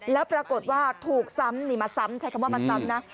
แล้วปรากฏว่าถูกซ้ำนี่มาซ้ำใช้คำว่ามาซ้ำนะ